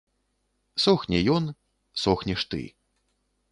Сохне ён, сохнеш ты.